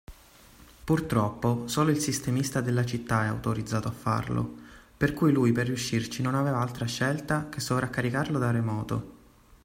Purtroppo, solo il sistemista della città è autorizzato a farlo, per cui lui per riuscirci non aveva altra scelta che sovraccaricarlo da remoto.